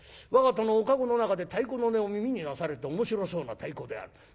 我が殿お駕籠の中で太鼓の音を耳になされて『面白そうな太鼓である。